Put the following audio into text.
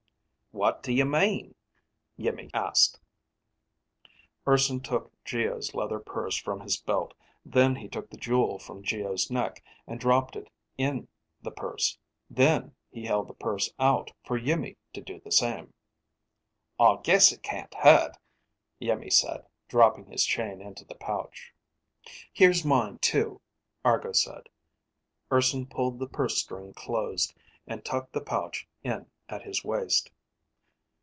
"What do you mean?" Iimmi asked. Urson took Geo's leather purse from his belt. Then he took the jewel from Geo's neck and dropped it in the purse. Then he held the purse out for Iimmi to do the same. "I guess it can't hurt," Iimmi said, dropping his chain into the pouch. "Here's mine too," Argo said. Urson pulled the purse string closed and tucked the pouch in at his waist.